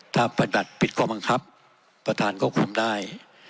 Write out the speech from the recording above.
ถ้าประดัติผิดข้อบังคับประธานก็คุมได้